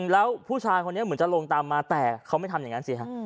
แล้วผู้ชายคนนี้เหมือนจะลงตามมาแต่เขาไม่ทำอย่างนั้นสิฮะ